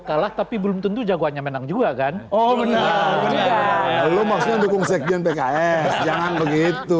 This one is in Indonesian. kalah tapi belum tentu jagoannya menang juga kan oh menang lo maksudnya dukung sekjen pks jangan begitu